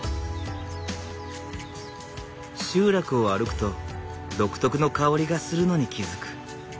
集落を歩くと独特の香りがするのに気付く。